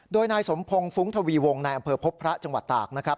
โดยนายสมพงศ์ฟุ้งทวีวงในอำเภอพบพระจังหวัดตากนะครับ